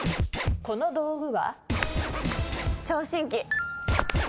この道具は？